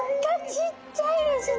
ちっちゃいですね。